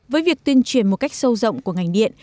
với việc tuyên truyền một cách sâu rộng của ngành điện